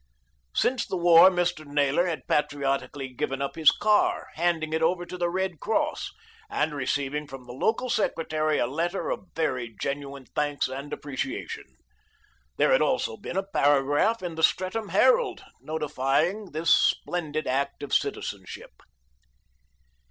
Since the war Mr. Naylor had patriotically given up his car, handing it over to the Red Cross, and receiving from the local secretary a letter of very genuine thanks and appreciation. There had also been a paragraph in The Streatham Herald notifying this splendid act of citizenship.